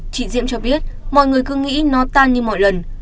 chị diễm cho biết mọi người cứ nghĩ nó tan như mọi lần